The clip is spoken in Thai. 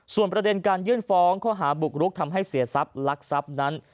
ส่วนประเด็นการยื่นฟ้องข้อหาบุกรุกทำให้เสียทรัพย์ลักทรัพย์นั้น